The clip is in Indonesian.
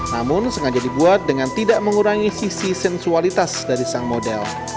namun sengaja dibuat dengan tidak mengurangi sisi sensualitas dari sang model